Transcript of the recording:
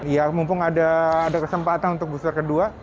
ya mumpung ada kesempatan untuk booster kedua